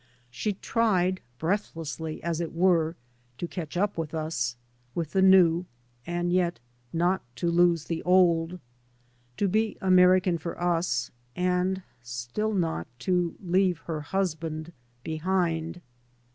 She tried breathlessly, as it were, to catch up with us, with the new, and yet not to lose the old, to be American for us, and still not to leave her husband behind.